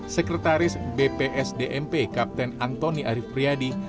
sekretaris bpsdmp kapten antoni arief priadi